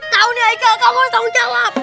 kau nih aikal kamu harus tanggung jawab